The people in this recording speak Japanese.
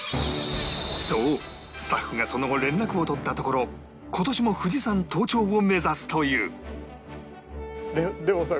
そうスタッフがその後連絡を取ったところ今年も富士山登頂を目指すというでもさ